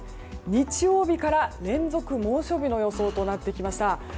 日曜日から連続猛暑日の様相となってきました。